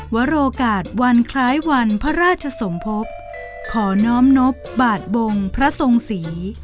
วโรกาศวันคล้ายวันพระราชสมภพขอน้อมนบบาทบงพระทรงศรี